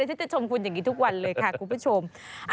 ฉันจะชมคุณอย่างนี้ทุกวันเลยค่ะคุณผู้ชม